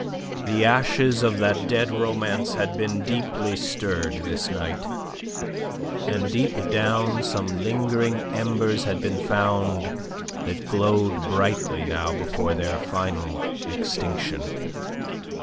The ashes of that dead romance had been deeply stirred this night, and deep down some lingering embers had been found that glowed brightly now before their final extinction.